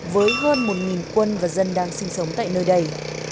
với hơn một quân và dân đang sinh sống tại nơi đây